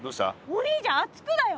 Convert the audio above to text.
お兄ちゃん熱くだよ。